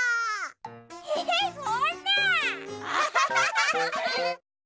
えそんな。